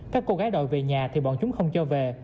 các cô gái đòi về nhà thì bọn chúng không cho về